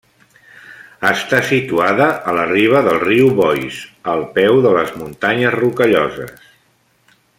Està situada a la riba del riu Boise, al peu de les Muntanyes Rocalloses.